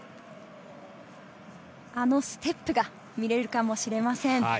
あのステップが見られるかもしれません。